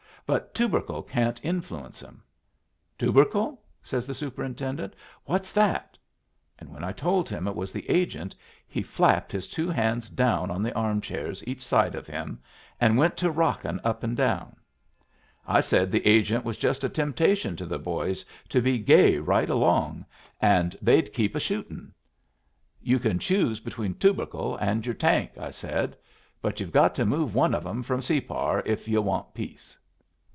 But Tubercle can't influence 'em.' 'Tubercle?' says the superintendent. 'What's that?' And when I told him it was the agent, he flapped his two hands down on the chair arms each side of him and went to rockin' up and down. I said the agent was just a temptation to the boys to be gay right along, and they'd keep a shooting. 'You can choose between Tubercle and your tank,' I said; 'but you've got to move one of 'em from Separ if yu' went peace.'